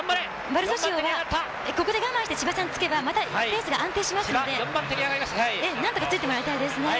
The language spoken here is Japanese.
バルソシオは、ここで我慢して千葉さんつけばまたペースが安定しますのでなんとかついてもらいたいですね。